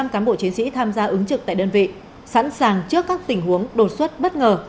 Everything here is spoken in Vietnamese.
một trăm linh cán bộ chiến sĩ tham gia ứng trực tại đơn vị sẵn sàng trước các tình huống đột xuất bất ngờ